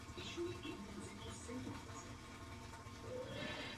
Za třicetileté války byla tvrz poškozena.